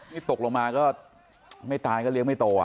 นี่ตกลงมาก็ไม่ตายก็เลี้ยงไม่โต